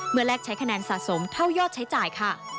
แรกใช้คะแนนสะสมเท่ายอดใช้จ่ายค่ะ